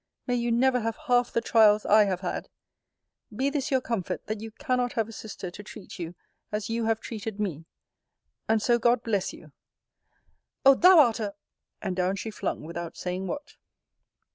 May you never have half the trials I have had! Be this your comfort, that you cannot have a sister to treat you as you have treated me! And so God bless you! O thou art a And down she flung without saying what.